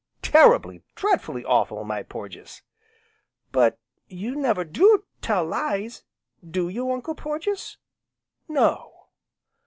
"Terribly dreadfully awful, my Porges." "But you never do tell lies, do you, Uncle Porges?" "No!"